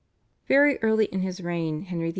" Very early in his reign Henry VIII.